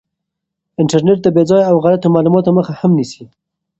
انټرنیټ د بې ځایه او غلطو معلوماتو مخه هم نیسي.